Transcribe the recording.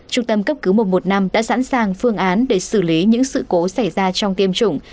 trung tâm cấp cứu mục một năm đã sẵn sàng phương án để xử lý những sự cố xảy ra trong tiêm chủng